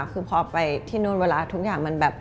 คือพอไปที่นู่นเวลาทุกอย่างมันแบบ